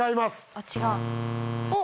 あっ違う。